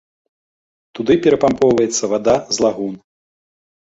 Туды перапампоўваецца вада з лагун.